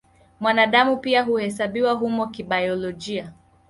Mwanadamu pia huhesabiwa humo kibiolojia.